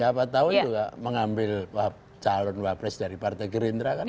siapa tahu juga mengambil calon wapres dari partai gerindra kan